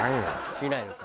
しないのか。